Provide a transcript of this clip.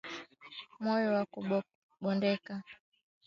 Moyo wa kubondeka.